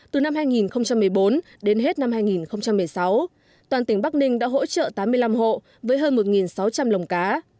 từ năm hai nghìn một mươi bốn đến hết năm hai nghìn một mươi sáu toàn tỉnh bắc ninh đã hỗ trợ tám mươi năm hộ với hơn một sáu trăm linh lồng cá